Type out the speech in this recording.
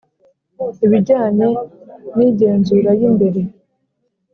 Ibijyanye n igenzuray imbere